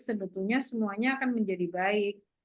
sebetulnya semuanya akan menjadi baik